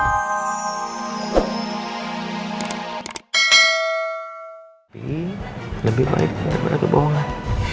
tapi lebih baik daripada kebohongan